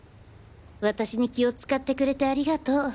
私に気を使ってくれてありがとう。